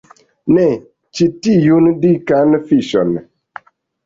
Ne, ĉi tiun dikan fiŝon